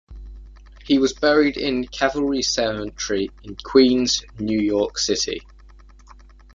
He was buried in Calvary Cemetery in Queens, New York City.